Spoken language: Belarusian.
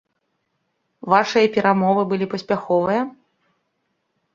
Вашыя перамовы былі паспяховыя?